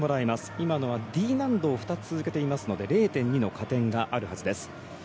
今のはＤ難度を２つ続けていますので０．２の加点があるはずです。